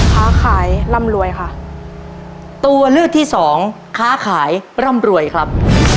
ค้าขายร่ำรวยค่ะตัวเลือกที่สองค้าขายร่ำรวยครับ